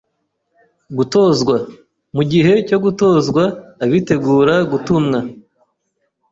GUTOZWA: Mu gihe cyo gutozwa, abitegura gutumwa